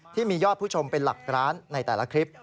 ที่มียอดผู้ชมเป็นหลักล้านในแต่ละคลิป